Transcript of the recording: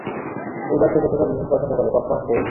পূজা ছোট ছোট জিনিস পছন্দ করে, পপকর্ন, বই।